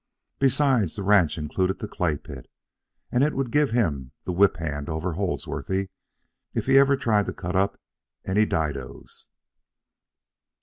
Besides, the ranch included the clay pit, and it would give him the whip hand over Holdsworthy if he ever tried to cut up any didoes.